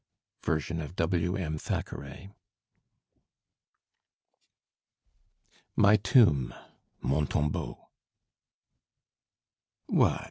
Version of W.M. Thackeray. MY TOMB (MON TOMBEAU) What!